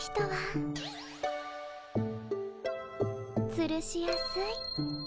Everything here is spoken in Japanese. つるしやすい。